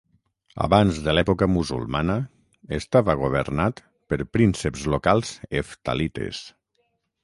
Abans de l'època musulmana estava governat per prínceps locals heftalites.